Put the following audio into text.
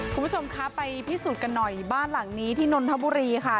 คุณผู้ชมคะไปพิสูจน์กันหน่อยบ้านหลังนี้ที่นนทบุรีค่ะ